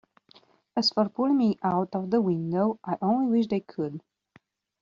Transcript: As for pulling me out of the window, I only wish they could!